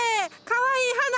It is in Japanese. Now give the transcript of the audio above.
かわいい花！